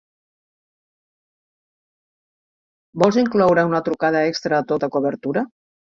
Vols incloure una trucada extra a tota cobertura?